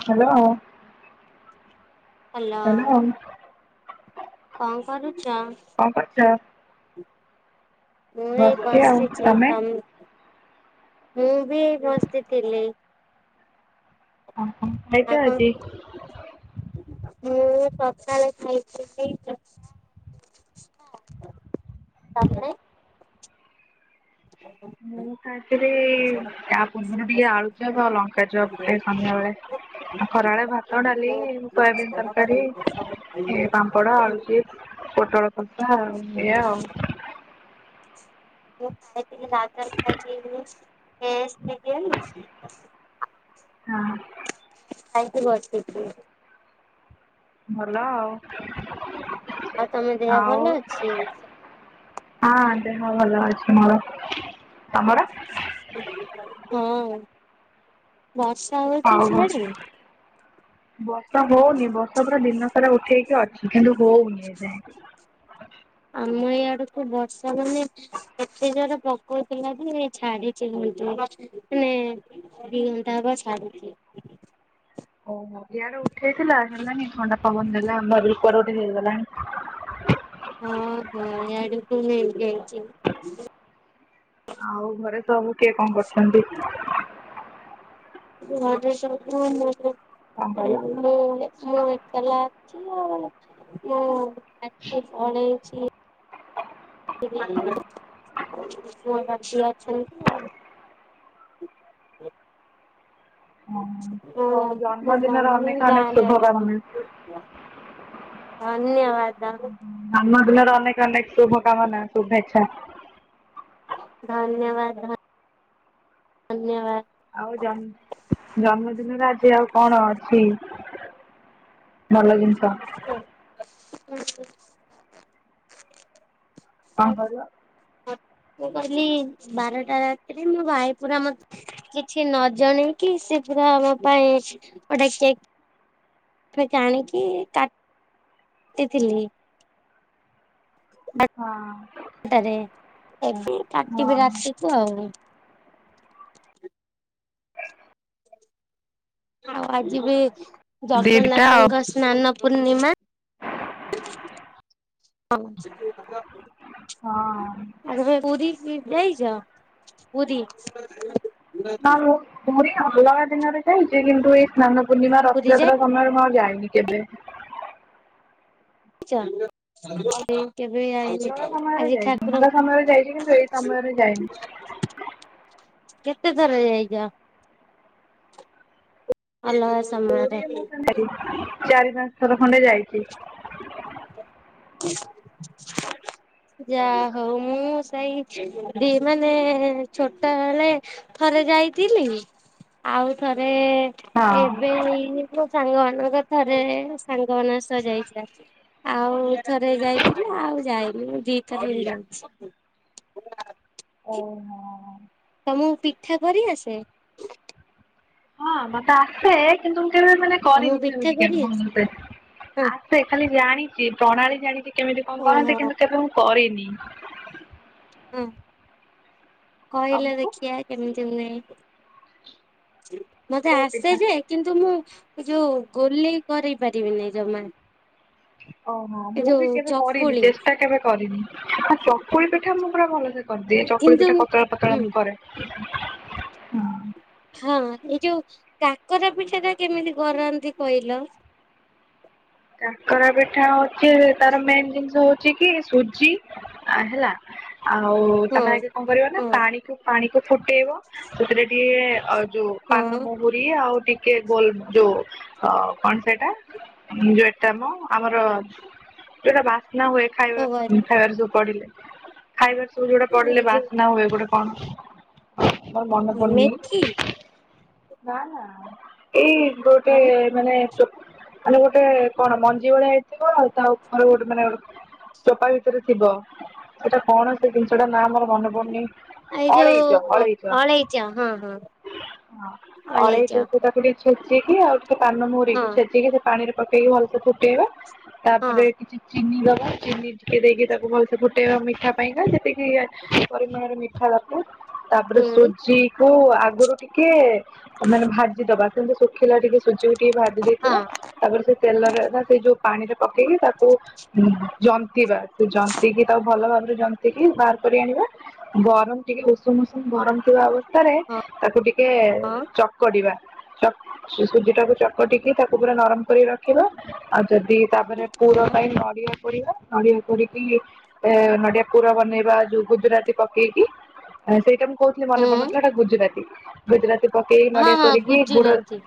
Hello. Hello hello କଣ କରୁଛ? କଣ କରୁଚ? ମୁଁ ଏଇ ବସିଛି ତମ ମୁଁ ବି ଏଇ ବସିଥିଲି। ଓ ହୋ। ହଁ କଣ ମୁଁ ପଖାଳ ଖାଇଛି ଠିକ ଅଛି। ତମେ? ମୁଁ ଖାଇଥିଲି-ଇ-ଇ ତା ପୂର୍ବରୁ ଟିକେ ଆଳୁ ଚପ, ଆଉ ଲଙ୍କା ଚପ୍ ଏ ସନ୍ଧ୍ୟାବେଳେ। ଖରାବେଳେ ମୁଁ ଭାତ, ଡାଲି, ଶୋୟାବିନ୍ ତରକାରୀ। ଖାଇଥିଲି ଏ ପାମ୍ପଡ, ଆଳୁଚିପ୍ସ, ପୋଟଳ କଷା ଏଇଆ ଆଉ। ମୁଁ ଖାଇ ଥିଲି ଗାଜର ଖାଇ ଥିଲି ଇଏ। ଟେଷ୍ଟେ ଦିଏନି। ହଁ। ଖାଇକି ବସିଚି। ଭଲ ଆଉ। ଆଉ ତମ ଦେହ ଆଉ ଭଲ ଅଛି? ହଁ ଦେହ ଭଲ ଅଛି ମୋର। ତମର? ହଁ। ବର୍ଷା ହଉ ହଉ ହଉ ବ ର୍ଷା ହଉନି ବର୍ଷା ପୁରା ଦିନ ସାରା ଉଠେଇକି ଅଛି କିନ୍ତୁ ହଉନି ଏବେ। ଆମ ଏଇ ଆଡକୁ ବର୍ଷା ମାନେ କେତେ ଜୋରେ ପକଉଥିଲା ଯେ ଛାଡିଛି ଏଇକିନା। ମାନେ-ଏ-ଏ-ଏ ଦି ଘଣ୍ଟା ହବ ଛାଡିଛି। ଓହୋ ଇଆଡେ ଉଠେଇଥିଲା ହେଲାନି ଥଣ୍ଡା ପବନ ଦେଲା ମୁଁ ଭାବିଲି କୁଆଡେ ଗୋଟେ ହେଇଗଲାଣି। ହଁ ହଁ ଇଆଡେ ତ ହେଇ ଯାଇଛି। ଆଉ ଘରେ ସବୁ କିଏ କଣ କରୁଛନ୍ତି? ହଁ ହଉ। କଣ କହିଲ ମୁଁ ମୁଁ ଏକେଲା ଅଛି ଆଉ ମୋ ସାଙ୍ଗ ପଳେଇଛି। ଅଛନ୍ତି ଆଉ ହଁ ହଁ ହଉ ମ ଜନ୍ମଦିନର ମମ ଅନେକ ଅନେକ ଗାନ ଅଛି ଶୁଭକାମନା ଧନ୍ୟବାଦ ଧନ୍ମ ଦିନର ଅନେକ ଅନେକ ଶୁଭକାମନା ଶୁଭେଚ୍ଛା ଧନ୍ୟବାଦ ଧ ଧନ୍ୟବାଦ ଆଉ ଜ ଜନ୍ମଦିନରେ ଆଜି ଆଉ କଣ ଅଛି ନଲ ଜିନିଷ [unintelligible] ହଁ ଆଚଛା ତାଙ୍କଙ୍କ ମୁଁ କହିଲି ବାରଟା ରାତିରେ ମୋ ଭାଇ ପୁରା ମତେ କିଛି ନ ଜଣେଇକି ସେ ପୁରା ଆମ ପାଇଁ ଗୋଟା ଏ ଆଣିକି କା କାଟିଥିଲି ଆ ହଁ ସେଟାରେ ଏବେ ହଁ କାଟିବି ରାତିକୁୁ ଆଉ ଆଉ ଆଜି ବି ଦିଟା ଆଉ ଜଗନ୍ନାଥଙ୍କ ସ୍ନାନ ପୂର୍ଣ୍ଣିମା ହ ହଁ ଆ ପୁରୁରୀ ଯାଇଛ ପୁରୁରୀ ନା ମୁଁ ପରି ଅଲଗା ଦିନରେ ଯାଇଛି କିନ୍ତୁ ଏଇ ସ୍ନାନ ପୂର୍ଣ୍ଣିମା ପୁରୀ ରଥଯାତ୍ରା ସମନରେ ମୁଉ ଯାଇନି କେବେ ଆଛା ଠ କେବେ ଆି ଅଲଗା ସମୟରେ ଆଜି ଯାଇଛି ଠାକୁର ଅଲଗା ସମୟରେ ଯାଇଛି କିନ୍ତୁ ଏଇ ସମୟରେ ଯାଇନି କେତେ ଥର ଯାଇଛ ଆଲ୍ଲ [inaudible] ପୌ ମ ଚାରି ପାଞ୍ଚ ଥର ଖଣ୍ଡେ ଯାଇଛି ହ [unintelligible] ଯା ହଉ ମୁଁ ସେଇି ମାନେ ଛୋଟ ବଳେ ଥରେ ଯାଇଥିଲି ଆଉ ଥରେ ହଁ। ଏବେ ମୋ ସାଙ୍ଗମାନାନଙ୍କ ଥରେ ସାଙ୍ଗ ମ ସହ ଯାଇଥିଲା ଆଉ ଥରେ ଯାଇଥିଲି ଆଉ ଯାଇନି ଦିଥାର ଯାଉଛି ଓହୋ ତମକୁ ପିଠା କରି ଆସେ ହଁ ମତେ ଆସେ କିନ୍ତୁ ମୁଁ କେବେ ମାନେ ତମକୁ କରିନି ପିଠା ସେମିତି କେ କରି ଆସେ ଭଲେ ହଁ। ସେ ଖାଲି ଜାଣିଛି ପ୍ରଣାଳୀ ଜାଣିଛି କେମିତି କଣ କରନ୍ତି କିନ୍ତୁ ଓହୋ। କେବେ ମୁଁ କରିନି ହଁ କହିଲ ତମକୁ ଦେଖିବା କେମିତି ନୁହେ ମତେ କୋଉ ଆସେ ପିଠା? ଯେ କିନ୍ତୁ ମୁଁ ଯୋଉ ଗୋଲି କରି ପାରିବିନି ଯୋମାନେ ଓହୋ ମୁଁ ବି କେବେ କରିନି ଚକୁଳି ଚେଷ୍ଟା କେବେ କରିନି ଚକୁଳି ପିଠା ମୁଁ ପୁରା ଭଲ କରିଦିଏ ଚକୁଳି କିନ୍ତୁ ପିଠା ପତଳା ପତଳା ହୁଁ ମୁଁ କରେ ହଁ। ହଁ ଏଇ ଯୋଉ କାକରା ପିଠା ଟା କେମିତି କରନ୍ତି କହିଲ କାକରା ପିଠା ଅଛି ତାର ମେନ୍ ଜିନିଷ ହଉଛି କି ସୁଜି ଆ ହେଲା ଆଉ ହଁ ତମେ ଆ କଣ କର ନା ହଁ ପାଣିକୁ ପାଣି କୁ ଫୁଟେଇବ ସେଥିରେ ଟିକେ ଯଉ ହଁ ପାନମହୁରି ଆଉ ଟିକେ ଗୋଲ ଯୋଉ ଅ କଣ ସେଇଟା ଯୋଉଟ ଆମର ଯୋଉଟା ବାସ୍ନା ହୁଏ କଣ ଖାଇବା କହିଲ ଖାଇବାର ସବୁ ପଢିଲେ ଖାଇବାର ସବୁ ଯୋଉଟା ଏଇ ପଡିଲେ ବାସ୍ନା ଯୋଉ ହୁଏ ଗୋଟେ କଣ ତର ମନେ ପନି ମେଥି ନା ନା ଏଇ ଗୋଟେ ଆଉ ମାନେ ମାନଲେ ଗୋଟେ କଣ ମଞ୍ଜି ଭଳିଆ ହେଇଥିବ ଆଉ ତା ଉପରେ ଗୋଟେ ମାନେ ଗୋଟେ ଚୋପା ଭିତରେ ଥିବ ସେଟା କଣ ସେ ଜିନିଷ ଟା ନା ଆମର ମନେ ପଡୁନି ଏଇ ଅଳେଇଚ ଯୋଉ ଅଳେଇଚ ହଁ ହଁ ଅଳେଇଚ ତାକୁ ଛେଚିକି ଆଉ ଟିକେ କାନ ହଁ ମୁୋରିକି ଛେଜିକି ସେ ପାଣିରେ ପକେଇକି ଭଲସ ପକେଇବା ହଁ ତାପରେ କିଛି ଚିନି ଦବା ଚିନି ଟିକେ ଦେଇକି ତାକୁ ଭଲସେ ଫୁଟେଇବା ମିଠା ପାଇଁକା ସେତିକି ପରିମାଣରେ ମିଠା ଦକୁ ତାପରେ ହୁଁ ସୁଜି କୁ ଆଗରୁ ଟିକେ ମାନେ ଭାଜି ଦବା ସେମୁ ଶୁଖିଲା ଟିକେ ସୁଜିକୁ ଟିକେ ଭାଜି ହଁ ଦେଇଥିବା ତାପରେ ସେ ତେଲରେ ନା ସେ ଯୋଉ ପାଣିରେ ପକେଇକି ତାକୁ ଜନ୍ତିବା ସେ ଜନ୍ତକି ତାକୁ ଭଲ ଭାବରେ ଜନ୍ତିକି ବାହାର କରି ଆଣିବା ଗରମ ଟିକେ ଉଷୁମ ଉଷୁମ ଗରମ ଥିବା ଅବସ୍ଥାରେ ହଁ ତାକୁ ଟିକେ ଟେ ହଁ ଚକଟିବା ସୁୂଜି ଟାକୁ ଚକଟିକି ତାକୁ ପୁରା ନରମ ରଖିବା ଆଉ ଯଦି ତାପରେ ପୁର ହଁ ପାଇଁ ନଡିଆ ପଡିକି ନଡିଆ ପୋକି ଏ ନଡିଆ ପୁରୁର ବନେଇବା ଯୋଉ ଗୁଜୁରାତି ପକେଇକି ସେଇଟା ମୁଁ କହୁଥିଲି ମନେ ହୁଁ ପଡୁନଥିଲା ଗୁଜୁରାତି ଗଜରାତି ପକେଇକି ହଁ ନଡିଆ ହଁ କରିକି ଗୁଡ ଗୁଜୁରାତି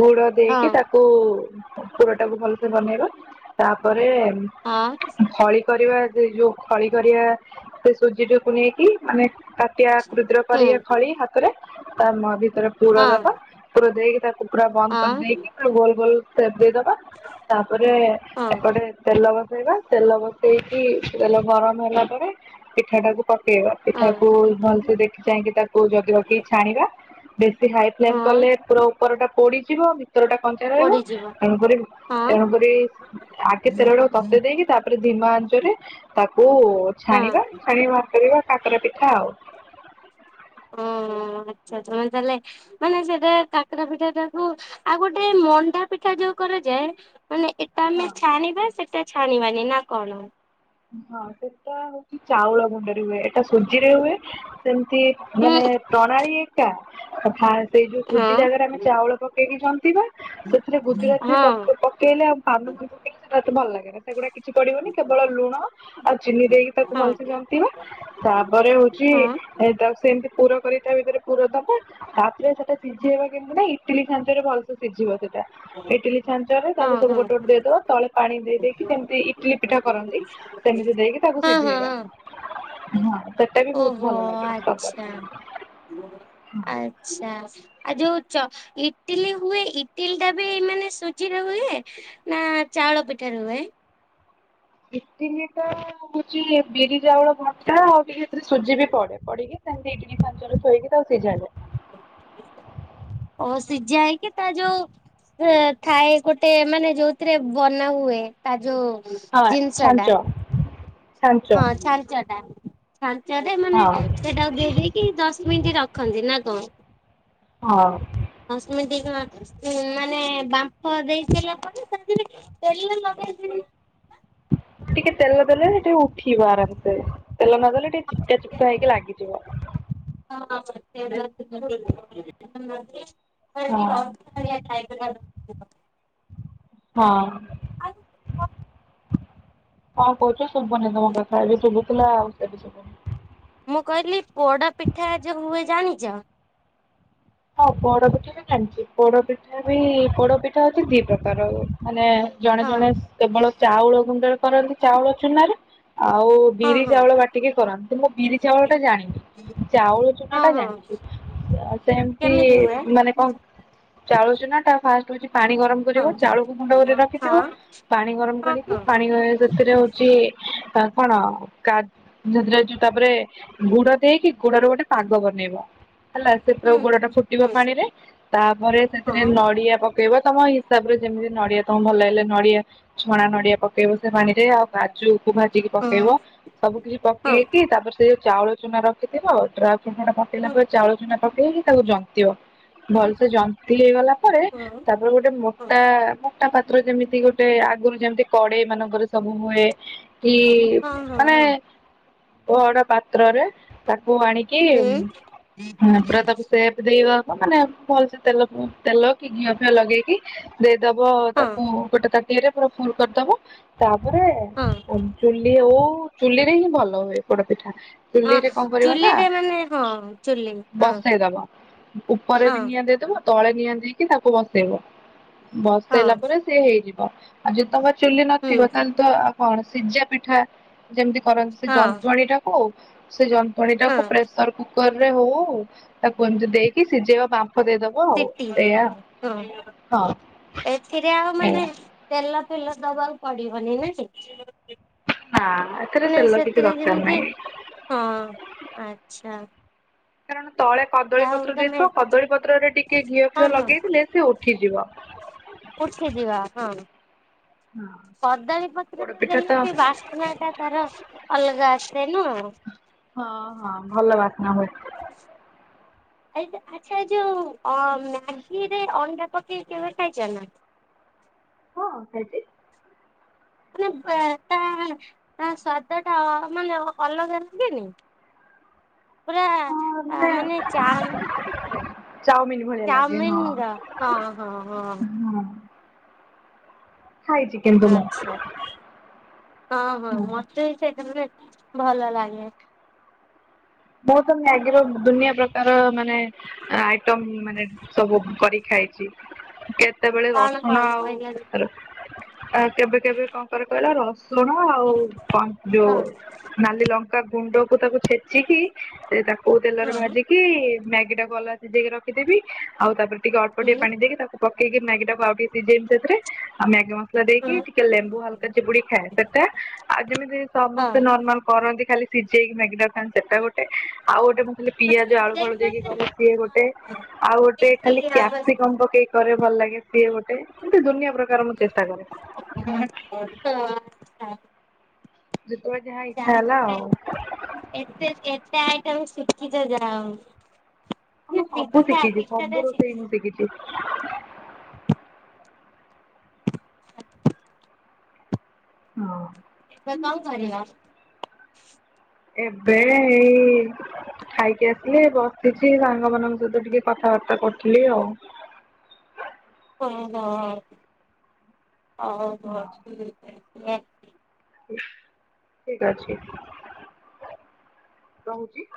ଗୁଡ ହଁ ଦେଇକି ତାକୁ କୁର ଟାକୁ ଭଲସେ ବନେଇବା ତାପରେ ହଁ ହଳ କରିବା ସେ ଯୋଉ ଖଳି କରିବା ସେ ସୁଜି ଟାକୁ ନେଇକି ମାନେ କ୍ଷୁଦ୍ର କରି ହୁଁ ଖଳି ତା ମୁ ଭିତରେ ପୁର ହଁ ଦବା ପୁର ଦେଇକି ତା କୁକୁଡ଼ା ବନ୍ଦ ହଁ କରିଦେଇକି ଗୋଲ ଗୋଲ ଦେଇଦବା ତାପରେ ହଁ ଏପଟେ ତେଲ ବସେଇବା ତେଲ ବସେଇ ପକି ସେ ତେଲ ଗରମ ହେଲା ପରେ ପିଠା ଟାକୁ ପ ପକେଇବା ହଁ ପିଠାକୁ ଭଲସେ ଦେଖି ଚାଇଁକି ତାକୁ ଯଦି ରଖିକି ଛାଣିବା ବେଶୀ ହାଇ ଫ୍ଲେମ ହଁ କଲେ ପୁରା ଉପର ଟା ପୋଡିଯିବି ଚତ ଟା କଞ୍ଚା ରହିବ ପଡିଯିବ ତେଣୁକରି ତେଣୁକରି ଆଗେ ତେର ହଁ ବଳକୁ ତୋତେ ଦେଇକି ତାପରେ ଧିମା ଆ୍ଞ୍ଚରେ ତାକୁ ହଁ ଛାଣିବା ଛାଣ ବାହାର କରିବା କାକରା ପିଠା ଆଉ ଓହୋ ଆଚ୍ଛା ତମେ ତାହେଲେ ମାନେ ସେଟା କାକୁରା ପିଠା ଟାକୁ ଆଉ ଗୋଟେ ମଣ୍ଡା ପିଠା ଯୋଉ କରାଯାଏ ମାନେ ଏଟା ହଁ। ଆମେ ଛାଣିବା ସେଟା ଛାଣିବାନି ନା କଣଉ ହଁ ସେଟା ହଉଛି ଚାଉଳ ଗୁଣ୍ଡରେ ହୁଏ ଏଟା ସୁଜି ରେ ହୁଏ ସେମତି ହୁଁ ମାନେ ପ୍ରଣାଳୀ ଏକା ସେଇ ଯୋଉ ହଁ ସୁଜି ଜାଗାରେ ଆମେ ଚାଉଳ ପକେଇକି ଜମି ବା ସେଥିରେ ଗୁଜୁରାତି ହଁ ପକେଇଲେ ଆଉ ପାନ ହଁ। ପକେଇଲେ ସେଟା ଏତେ ଭଲ ଲାଗେ ସେଗୁଡା କିଛି ପଡିବନି କେବଳ ଲୁଣ ଆଉ ଚିନି ଦେଇକି ହଁ ତାକୁ ଭଲସେ ହଁ ଜାମିବା ତାପରେ ହଉଛି ଏ ତା ସେମିତି ପୁର କରି ତା ଭିତରେ ପୁର ଦବ ତାପରେ ସେଟା ସିଝେଇବା କେମିତି ନା ଇଟିଲି ଖାଞ୍ଚରେ ଭଲସେ ସିଝିବ ସେଟା ଇଟିଲି ଛାଞ୍ଚରେ ତାକୁ ସବୁ ହଁ। ଗୋଟେ ଗୋଟେ ଦେଇଦବା ତଳେ ପାଣି ଦେଇେଇକି ସେମିତି ଇଟିଲି ପିଠା କରନ୍ତି ସେମିତି ଦେଇକି ତାକୁ ହଁ ସିଝେଇବା ହଁ ହଁ ସେଟା ବି ବହୁତ ଓହୋ ଭଲ ଲାଗେ ଆଚ୍ଛା। ଆଚ୍ଛା ଆଉ ଯୋଉ ଇଟିଲି ହୁଏ ଇଟିଲି ଟା ବି ମାନେ ସୁଜିରେ ହୁଏ ନା ଚାଉଳ ପିଠାରେ ହୁଏ କଟିିନିଟା ହଉଛି ବିରି ଚାଉଳ ଭଣ୍ଟା ଆଉ ଟିକେ ସେଥିରେ ସୁଜି ବି ପଡେ ପଡିକି ସେମତି ହେକି ହୋଇଏଗ ତଉ ଜାଣ ଅ ସିଝା ହେଇକି ତା ଯୋଉ ଥାଏ ଗୋଟେ ମାନେ ଯୋଉଥିରେ ବନା ହୁଏ ତା ଯୋଉ ହଁ ଜିନିଷ ଟା ଛାଞ୍ଚ ଛାଞ୍ଚ ହଁ ଛାଞ୍ଚ ଟା ଛାଞ୍ଚଟେ ମାନେ ହଁ ସେଟାକୁ ଦଦ କି ଦଶ ମିନିଟ୍ ରଖନ୍ତି ନା କଣ ହଁ ହଁ ସେମିତି କଣ ମାନେ ବାମ୍ପ ଦେଇ ସାରିଲ ପରେ [unintelligible] ତଲିଲ ମମେି [inaudible] ଟିକେ ତେଲ ଦେଲେ ସେ ଟିକେ ଉଠିବ ଆରାମସେ ତେଲ ନଦେଲେ ଟିକେ ଚିପକା ଚିପକା ହେଇକି ଲାଗିବ। ଯିବ। ହଁ [unintelligible] ଖାଇ ହଁ [unintelligible] ହଁ। ହଁ କହୁଛୁ ସବୁନି ତମ କଥା ଏବେ ତୁ ସୁବୁଥୁଲା ଆଉ ଏବେ ସୁବୁନି। ମୁଁ କହିଲି ପୋଡ ପିଠା ଯୋଉ ହୁଏ ଜାଣିଛ? ହଁ ପୋଡ ପିଠା ବି ଜାଣିଛି ପୋଡପିଠା ବି ପୋଡ ପିଠା ହଉଛି ଦି ପ୍ରକାର ମାନେ ଜଣେ ହଁ ଜଣେ କେବଳ ଚାଉଳ ଗୁଣ୍ଡରେ କରନ୍ତି ଚାଉଳ ଚୁନାରେ ଆଉ ହଁ ବିରି ଚାଉଳ ହଁ। ବାଟିକି କରନ୍ତି ମୁଁ ବିରି ଚାଉଳ ଟା ଜାଣିନି। ଚାଉଳ ଚୁନା ହଁ ଟା ହଁ ଜାଣିଛି ସେ କେମିତି ହୁଏ? ମାନେ କଣ ଚାଳୁଚ ନା ଟ ଫାଷ୍ଟ ହଉଛି ପାଣି ଗରମ ହଁ ଚାଉଳକୁ ମୁୁଣ୍ଡ କରି ହଁ ରଖିଥିବ ପାଣି ଗରମ ହଁ କରିକି ହଁ ପାଣି ସେଥିରେ ହଉଛି ଆ କଣ କା ସେଥିରେ ତାପରେ ଗୁଡ ଦେଇକି ଗୁଡ ର ଗୋଟେ ପାଗ ବନେଇବା। ହେଲା ସେଥିରେ ହୁଁ। ଗୋଡ ଟା ଫୁଟିବ ହୁଁ ପାଣିରେ ତାପରେ ସେଥିରେ ହଁ ନଡିଆ ପକେଇବ ତମ ହିସାବ ରେ ଯେମିତି ନଡିଆ ତମ ଭଲ ଲାଗିଲେ ନଡିଆ ଛଣା ନଡିଆ ପକେଇବ ସେ ପାଣିରେ ଆଉ ଗାଜୁ ଭା ଟିକେ ପକେଇବ ହଁ ସବୁ କିଛି ପକେଇକି ତାପରେ ସେ ଚାଉଳ ଚୁନା ରଖିଥିବ ଡ୍ର ଟା ପକେଇଲା ହଁ ହଁ ଚାଉଳ ଛୁନା ପକେଇକି ତାକୁ ଜନ୍ତିବ ଭଲସେ ଜ ହେଇଗଲା ପରେ ହଁ ହଁ ତାରେ ଆର ଗୋଟେ ମୋଟା ମୋଟା ପାତ୍ର ଯେମିତି ଗୋଟେ ଆଗରୁ ଯେମିତି କଡେଇ ମାନଙ୍କରେ ସବୁ ହୁଏ। କି ହଁ ମାନେ ହଁ ବଡ ପାତ୍ରରେ ତାକୁ ଆଣି କି ହୁଁ ପୁରା ତାପ ସେ ଦେଇବା ମାନେମ ଭଲସେ ତେଲ ତେଲ କି ଘିଅ ଫିଅ ଲଗେଇକି ଦେଇଦବ ହଁ ତାକୁ ଗୋଟେ ତାଟିଆରେ ପୁରା ଫୁଲ କରିଦବ ତାପରେ ହଁ ହଁ ଓ ଚୁଲି ଓଉ ଚୁଲିରେ ହିଁ ଭଲ ହୁଏ ପୋଡପିଠା। ଚୁଲିରେ କଣ କରିବ ନା ଚୁଲିରେ ମାନେ ହଁ ଚୁଲି ହଁ ବସେଇ ଦବା। ଉପରେ ବି ହଁ ନିଆଁ ଦେଇଦବ ତଳେ ନିଆଁ ଦେଇକି ତାକୁ ବସେଇବ ହଁ ବସେଇଲା ପରେ ସେ ହେଇଯିବ ଆଉ ଯଦି ତମ ଚୁଲି ହୁଁ ନଥିବ ତାହେଲେ ତ ଆଉ କଣ ସିଝା ପିଠା ଯେମିତି ଫରନ୍ ସେ ହଁ ଯନ୍ତଣୀ ଟାକୁ ସେ ଯନ୍ତଣୀ ଟାକୁ ହଁ। ପ୍ରେସର କୁକର ରେ ହଉ। ତାକୁ ଦେଇକି ସିଝେଇବ ବାମ୍ଫ ଦେଇଦବ ଆଉ ସିଟି ଏଇଆ। ହଁ ହଁ ଏଥିରେ ଆଉ ଏଇଆ। ମାନେ ତେଲ ଫେଲ ଦବାକୁ ପଡିବନି ନାଇ। ନା ଏଥିରେ ମାନେ ତେଲ କିଛି ସେଥିରେ ଦରକାର ଯେମିତି ନାହିଁ। ହଁ ଆଛା। କାରଣ ତଳେ କଦଳୀ ପତ୍ର ତମେ ଦେଇଥିବ କଦଳୀ ପତ୍ରରେ ଟିକେ ଘିଅ ହଁ ଫିଅ ହଁ ଲଗେଇଥିଲେ ସେ ଉଠିଯିବ। ଉଠିଯିବ ହଁ। ହୁଁ। କଦଳୀ ପତ୍ରରେ ଦେଲେ ବି ବାସ୍ନା ଟା ତାର ଅଲଗା ଆସେ ନା। ହଁ, ହଁ ଭଲ ବାସ ନ ହୁଏ। ଆ ଆଚ୍ଛା ଯୋଉ ଅ ମ୍ୟାଗିରେ ଅଣ୍ଡା ପକେଇ କେବେ ଖାଇଛ ନା? ହଁ ଖାଇଚି। ମାନେ ତା ତା ସ୍ଵାଦ ଟା ମାନେ ଅଲଗା ଲାଗେନି। [inaudible] ହଁ ଆ ମାନେ ଚାଉ ଚାଉମିନ ଭଳିଆ ଲାଗେ ଚାଉମିନ ହଁ ର ହଁ ହଁ ହଁ। ଖାଇଜି। ଆଚ୍ଛା ହଁ, ହଁ ମତେ ବି ସେ [unintelligible] ଭଲ ଲାଗେ। ବହୁତ ମ୍ୟାଗିର ଦୁନିଆ ପ୍ରକାର ମାନେ ଆଇଟମ ମାନେ ସବୁ କରି ଖାଇଛି। ସେତେବେଳେ କଣ ରସୁଣ କଣ ଆଉ କହିଲେ ଆ କେବେ କେବେ କଣ କରେ କହିଲ ରସୁଣ ଆଉ କ ଯୋଉ ହଁ ନାଲି ଲଙ୍କା ଗୁଣ୍ଡକୁ ତାକୁ ଛେଚିକି ସେ ତାକୁ କଉ ହୁଁ ତେଲରେ ଭାଜିକି ମ୍ୟାଗି ଟା କୁ ଅଲଗା ସିଝେଇକି ରଖିଦେବି ଆଉ ତାପରେ ଟିକେ ଅଳ୍ପ ହୁଁ ଟିକେ ପାଣି ଦେଇକି ତାକୁ ପକେଇ କି ମ୍ୟାଗି ଟାକୁ ଆଉ ଟିକେ ସିଝେଇବି ତାଥିରେ ଆଉ ମ୍ୟାଗି ମସ ଦେଇକି ହଁ। ଟିକେ ଲେମ୍ବୁ ହାଲକା ଚିପୁଡି ଖାଏ ସେଟା ଆଉ ଯେମିତି ସମସ୍ତେ ନର୍ମାଲ କରନ୍ତି ଖାଲି ସିଝେଇକି ମ୍ୟାଗି ଟାକୁ ଖାନ୍ତି ସେଟା ଗୋଟେ ଆଉ ଗୋଟେ ମୁଁ ଖାଲି ପିଆଜ ଆଳୁ ଫାଳୁ ଦେଇକି କରେ ସିଏ ଗୋଟେ। ଆଉ ଗୋଟେ ଖାଲି କ୍ୟାପସିକମ୍ ପକେଇ କରେ ଭଲ ଲାଗେ ସିଏ ଗୋଟେ ମତେ ଦୁନିଆ ପ୍ରକାର ମୁଁ ଚେଷ୍ଟା କରେ। ହ ହଁ। ଯେତେବେଳେ ଯାହା ଇଚ୍ଛା ହେଲା ଆଉ। ଏତେ, ଏତେ, ଏତେ ଆଇ ତମେ ଶିଖିଛ ଯା ହଉ। ହଁ ମୁଁ ସବୁ ପିଠା ଶିଖିଛି ପିଠା ଟା ସବୁ ରୋଷେଇ ଶିଖିବା ମୁଁ ଶିଖିଛି। ହଁ। ଏବେ କଣ କରିବ? ଏବେ ଏଇ। ଖାଇକି ଆସିଲି ବସିଛି ସାଙ୍ଗ ମାନଙ୍କ ସହିତ ଟିକେ କଥାବାର୍ତ୍ତା କରୁଥିଲି ଆଉ। ହଁ, ହଁ ହଉ ହ ଠିକ ଅଛି ରହୁଛି।